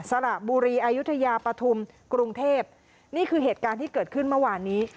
สระบุรีอายุทยาปฐุมกรุงเทพนี่คือเหตุการณ์ที่เกิดขึ้นเมื่อวานนี้